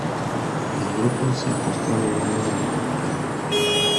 El grupo se apostó a lo largo de la carretera.